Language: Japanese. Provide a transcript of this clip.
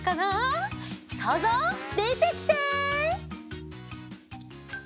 そうぞうでてきて！